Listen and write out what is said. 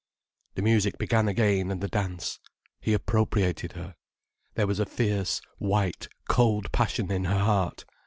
The music began again and the dance. He appropriated her. There was a fierce, white, cold passion in her heart.